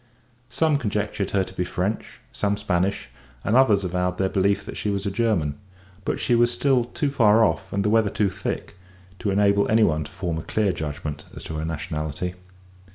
Some conjectured her to be French, some Spanish, and others avowed their belief that she was a German; but she was still too far off, and the weather too thick, to enable any one to form a clear judgment as to her nationality.